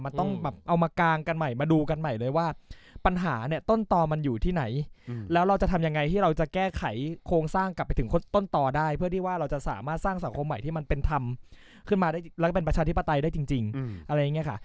มันต้องแบบเอามากางกันใหม่มาดูกันใหม่เลยว่าปัญหาเนี่ยต้นต่อมันอยู่ที่ไหนแล้วเราจะทำยังไงที่เราจะแก้ไขโครงสร้างกลับไปถึงต้นต่อได้เพื่อที่ว่าเราจะสามารถสร้างสังคมใหม่ที่มันเป็นธรรมขึ้นมาได้แล้วก็เป็นประชาธิปไตยได้จริงอะไรอย่างนี้ค่ะ